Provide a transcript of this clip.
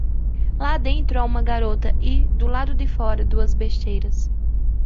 Lá dentro há uma garota e, do lado de fora, duas besteiras.